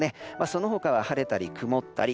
その他は晴れたり曇ったり。